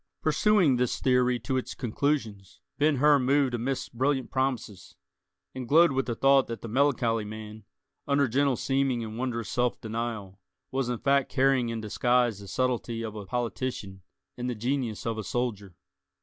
Pursuing this theory to its conclusions, Ben Hur moved amidst brilliant promises, and glowed with the thought that the melancholy man, under gentle seeming and wondrous self denial, was in fact carrying in disguise the subtlety of a politician and the genius of a soldier.